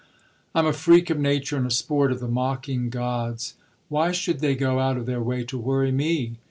"I'm a freak of nature and a sport of the mocking gods. Why should they go out of their way to worry me?